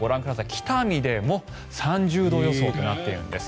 北見でも３０度予想となっているんです。